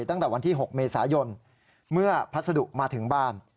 ตั้งแต่วันที่๖เมษายนเมื่อพัสดุมาถึงบ้าน